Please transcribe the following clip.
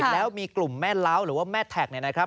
แล้วมีกลุ่มแม่เล้าหรือว่าแม่แท็กเนี่ยนะครับ